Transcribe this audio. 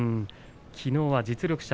きのうは実力者